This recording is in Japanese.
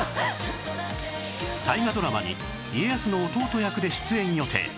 大河ドラマに家康の弟役で出演予定